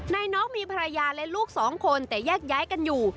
น้องมีภรรยาและลูกสองคนแต่แยกย้ายกันอยู่